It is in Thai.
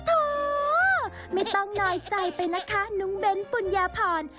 โทษไม่ต้องนอยใจไปนะคะนุ้งเบ้นฝุ่นยาพร